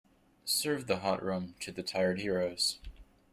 Serve the hot rum to the tired heroes.